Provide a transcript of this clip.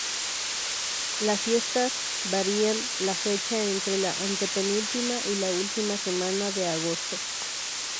Las fiestas varían la fecha entre la antepenúltima y la última semana de agosto.